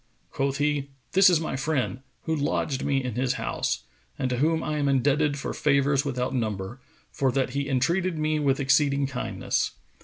Quoth he, "This is my friend, who lodged me in his house and to whom I am indebted for favours without number, for that he entreated me with exceeding kindness.